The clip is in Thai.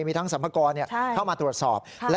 มีทั้งสรรพากรเข้ามาตรวจสอบ